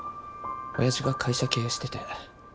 親父が会社経営してて。